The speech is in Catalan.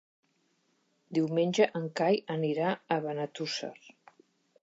Diumenge en Cai anirà a Benetússer.